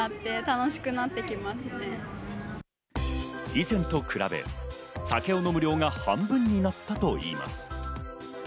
以前と比べ、酒を飲む量が半分になったといいます。